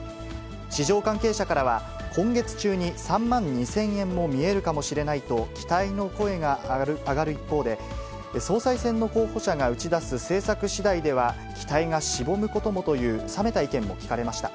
市場関係者からは、今月中に３万２０００円も見えるかもしれないと、期待の声が上がる一方で、総裁選の候補者が打ち出す政策しだいでは、期待がしぼむこともという冷めた意見も聞かれました。